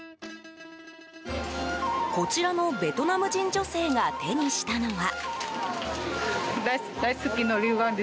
こちらのベトナム人女性が手にしたのは。